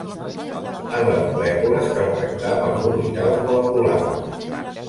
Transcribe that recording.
En les molècules cal tractar amb els orbitals moleculars.